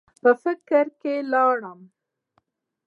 پۀ فکر کښې لاړم ـ